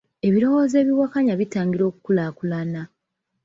Ebirowozo ebiwakanya bitangira okukulaakulana.